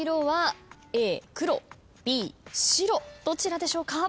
どちらでしょうか？